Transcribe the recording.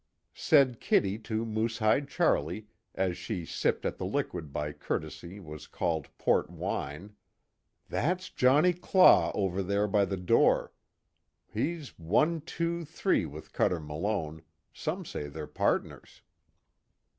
Said Kitty to Moosehide Charlie, as she sipped at the liquid that by courtesy was called port wine: "That's Johnnie Claw over there by the door. He's one two three with Cuter Malone some say they're pardners."